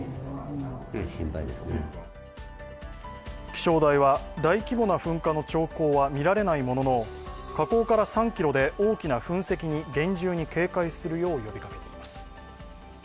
気象台は大規模な噴火の兆候は見られないものの火口から３ｋｍで大きな噴石に厳重に警戒するよう呼びかけています。